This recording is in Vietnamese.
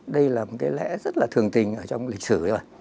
đây là một cái lẽ rất là thường tình trong lịch sử